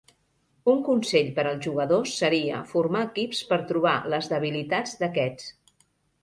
Un consell per als jugadors seria formar equips per trobar les debilitats d'aquests.